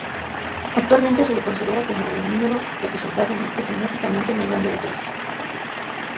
Actualmente, se le considera como el número representado matemáticamente más grande de todos.